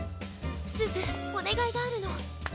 すずおねがいがあるの。